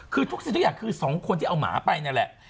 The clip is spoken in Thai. คือทุกอย่างคือสองคนที่เอาหมาไปนั่นแหละ